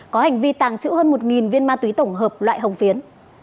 có hành vi tàng trữ hơn một viên ma túy tổng hợp loại hồng phiến